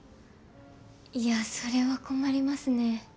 いやそれは困りますね。